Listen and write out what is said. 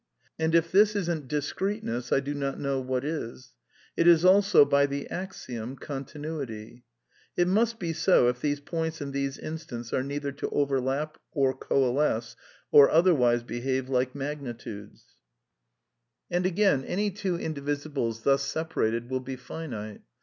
And if this isn't discreteness, I do not know what\ is. It is also, by the axiom, continuity. ^ It must be so, if these points and these instants are neither to overlap or coalesce, or otherwise behave like magnitudes. 228 A DEFENCE OF IDEALISM Andy agaiiiy any two indivisibles thus separated will be finite.